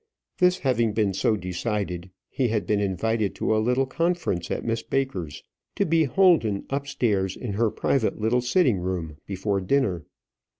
This having been so decided, he had been invited to a little conference at Miss Baker's, to be holden upstairs in her private little sitting room before dinner.